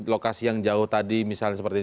lokasi yang jauh tadi misalnya seperti